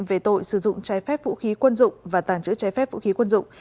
về tội sử dụng trái phép vũ khí quân dụng và tàng trữ trái phép vũ khí quân dụng